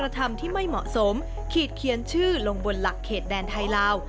ทำที่ไม่เหมาะสมขีดเขียนชื่อลงบนหลักเขตแดนไทยลาว